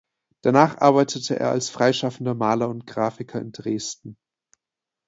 Danach arbeitete er als freischaffender Maler und Grafiker in Dresden.